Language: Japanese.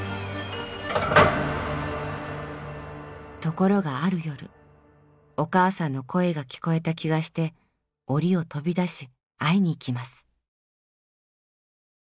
ところがある夜お母さんの声が聞こえた気がしておりを飛び出し会いに行きます。